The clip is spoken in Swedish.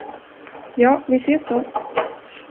Ja, vi ses då.